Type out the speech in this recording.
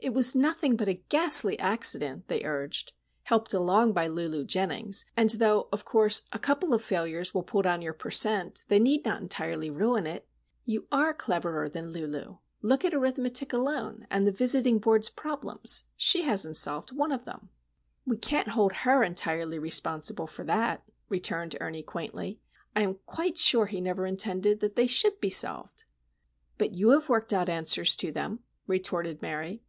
"It was nothing but a ghastly accident," they urged, "helped along by Lulu Jennings; and, though, of course, a couple of failures will pull down your per cent., they need not entirely ruin it. You are cleverer than Lulu. Look at arithmetic alone, and the Visiting Board's problems! She hasn't solved one of them." "We can't hold her entirely responsible for that," returned Ernie, quaintly. "I am quite sure he never intended they should be solved." "But you have worked out answers to them," retorted Mary.